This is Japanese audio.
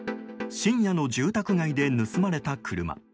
深夜の住宅街で盗まれた車。